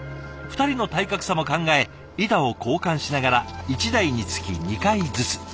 ２人の体格差も考え板を交換しながら１台につき２回ずつ。